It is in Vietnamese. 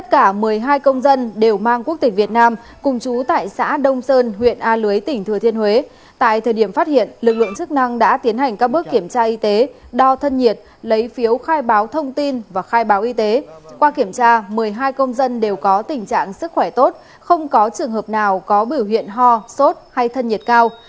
một mươi hai công dân đều có tình trạng sức khỏe tốt không có trường hợp nào có biểu hiện ho sốt hay thân nhiệt cao